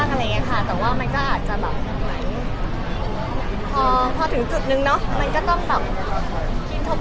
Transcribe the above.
หรือว่ามีปัญหาการหรืออะไรอย่างนี้